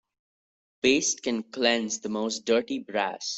Paste can cleanse the most dirty brass.